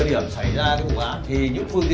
ở đây là hải nam rồi